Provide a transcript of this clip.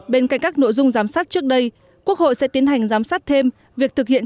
bên cạnh các nội dung giám sát trước đây quốc hội sẽ tiến hành giám sát thêm việc thực hiện